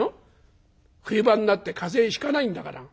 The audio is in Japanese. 冬場になって風邪ひかないんだから。